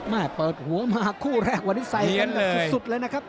เปิดหัวมาคู่แรกวันนี้ใส่กันแบบสุดเลยนะครับ